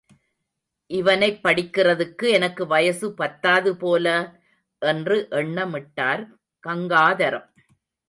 இவனைப் படிக்கிறதுக்கு எனக்கு வயசு பத்தாது போல! என்று எண்ணமிட்டார் கங்காதரம்.